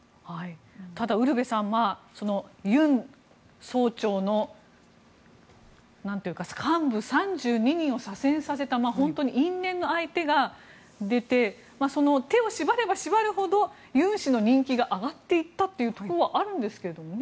ただウルヴェさんユン総長の幹部３２人を左遷させた本当に因縁の相手が出てその手を縛れば縛るほどユン氏の人気が上がっていったというところはあるんですけれどもね。